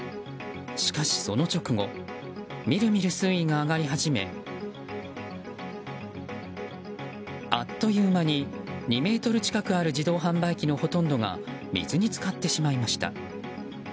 しかしその直後みるみる水位が上がり始めあっという間に２ｍ近くある自動販売機のほとんどが水に浸かってしまいました。